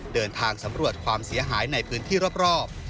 เดินทางสำรวจความเสียหายในพื้นที่รอบ